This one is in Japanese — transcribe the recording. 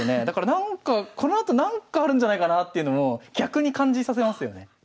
だからなんかこのあとなんかあるんじゃないかなっていうのも逆に感じさせますよね。